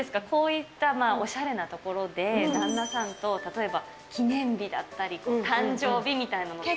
こういったおしゃれな所で旦那さんと、例えば記念日だったり、誕生日みたいなの。